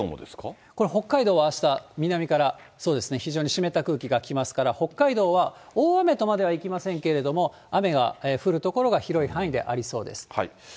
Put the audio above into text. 北海道はあした、南から、そうですね、非常に湿った空気が来ますから、北海道は大雨とまではいきませんけれども、雨が降る所が広い範囲でありそうです。